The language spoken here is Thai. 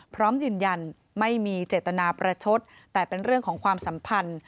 พร้อมยืนยันไม่มีเจตนาประชดแต่เป็นเรื่องของความสัมพันธ์